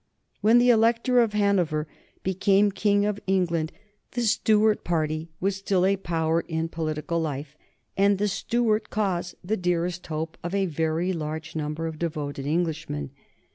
When the Elector of Hanover became King of England, the Stuart party was still a power in political life and the Stuart cause the dearest hope of a very large number of devoted Englishmen.